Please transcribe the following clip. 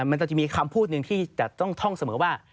มันจะมีคำพูดหนึ่งที่จะต้องท่องเสมอว่า